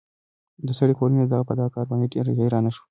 د سړي کورنۍ د ده په دغه کار باندې ډېره حیرانه شوه.